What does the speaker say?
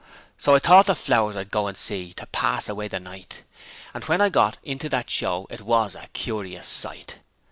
So I thought the flowers I'd go and see to pass away the night. And when I got into that Show it was a curious sight.